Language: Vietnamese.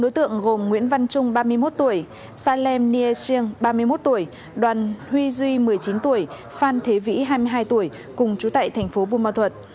bốn đối tượng gồm nguyễn văn trung ba mươi một tuổi sa lêm nghê siêng ba mươi một tuổi đoàn huy duy một mươi chín tuổi phan thế vĩ hai mươi hai tuổi cùng trú tại tp bù ma thuật